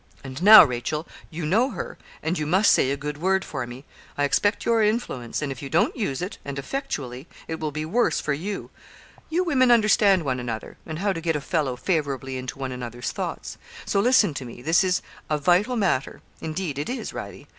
And now, Rachel, you know her, and you must say a good word for me. I expect your influence, and if you don't use it, and effectually, it will be worse for you. You women understand one another, and how to get a fellow favourably into one another's thoughts. So, listen to me, this is a vital matter; indeed, it is, Radie.